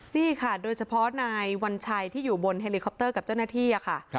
นี่ค่ะโดยเฉพาะนายวัญชัยที่อยู่บนเฮลิคอปเตอร์กับเจ้าหน้าที่ค่ะ